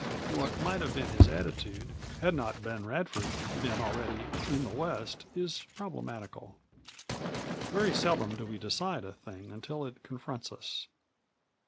What might have been his attitude had not Ben Radford been already in the West is problematical. Very seldom do we decide a thing until it confronts us.